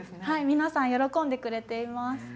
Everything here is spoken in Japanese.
皆さん喜んでくれています。